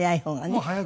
もう早く。